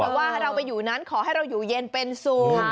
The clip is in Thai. เพราะว่าเราไปอยู่นั้นขอให้เราอยู่เย็นเป็นสุข